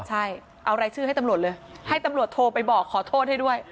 ใช่เอารายชื่อให้ตำรวจเลยให้ตำรวจโทรไปบอกขอโทษให้ด้วย